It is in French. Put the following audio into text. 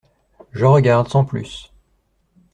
Je regarde, sans plus.